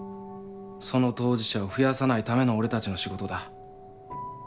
その当事者を増やさないための俺たちの仕事だ。